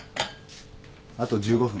あと１５分。